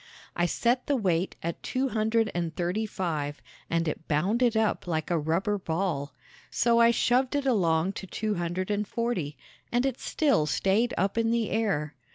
I set the weight at two hundred and thirty five and it bounded up like a rubber ball; so I shoved it along to two hundred and forty and it still stayed up in the air.